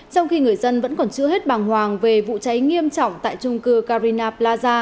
trong khi người dân vẫn còn chưa hết bằng hoàng về vụ cháy nghiêm trọng tại trung cư carina plaza